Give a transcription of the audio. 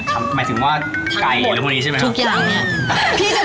ทำหมายถึงว่ากลายเอียดแล้วพวกนี้ใช่ไหมวะทำหมดทุกอย่างนี่